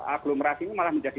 aglomerasi ini malah menjadi